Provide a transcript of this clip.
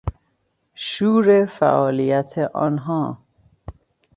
شور فعالیت آنها